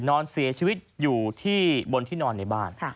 นอนเสียชีวิตอยู่ที่บนที่นอนในบ้าน